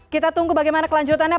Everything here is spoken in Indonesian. kita tunggu bagaimana kelanjutannya